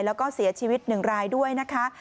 แล้วก็เสียชีวิต๑รายด้วยนะคะ